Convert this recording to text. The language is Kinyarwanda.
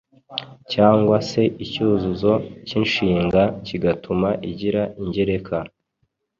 cyangwa se icyuzuzo k’inshinga kigatuma igira ingereka.